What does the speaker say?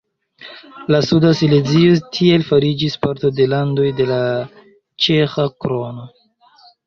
La suda Silezio tiel fariĝis parto de landoj de la ĉeĥa krono.